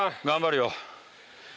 頑張るよ。